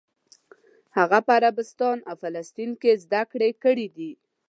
هغه په عربستان او فلسطین کې زده کړې کړې دي.